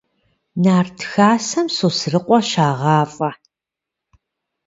Нарт хасэм Сосрыкъуэ щагъафӀэ.